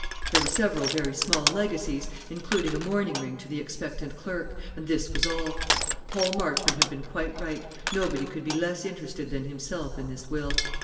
There were a few very small legacies, including a mourning ring to the expectant clerk; and this was all. Paul Marchmont had been quite right; nobody could be less interested than himself in this will.